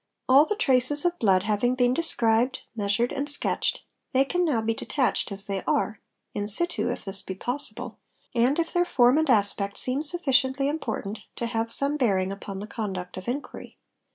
All the traces of blood having been described, measured, and sketched, they can now be detached as they are, im situ if this be possible, and if their form and aspect seem sufficiently important to have some bearing upon the conduct of inquiry.